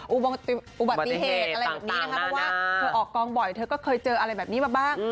อุบัติเหตุอะไรแบบนี้นะคะเพราะว่าเธอออกกองบ่อยเธอก็เคยเจออะไรแบบนี้มาบ้าง